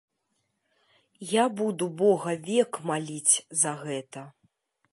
Я буду бога век маліць за гэта!